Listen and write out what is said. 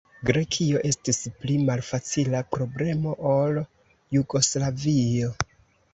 Grekio estis pli malfacila problemo ol Jugoslavio.